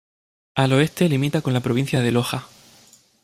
Al oeste limita con la provincia de Loja.